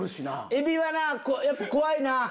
エビはなやっぱ怖いな。